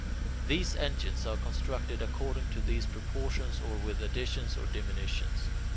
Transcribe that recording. These engines are constructed according to these proportions or with additions or diminutions.